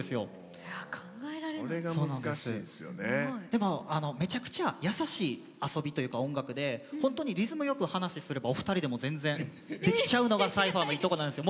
でもめちゃくちゃやさしい遊びというか音楽で本当にリズムよく話すればお二人でも全然できちゃうのがサイファーのいいとこなんですよ。